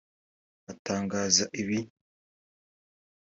Atangaza ibi